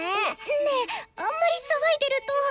ねえあんまり騒いでると。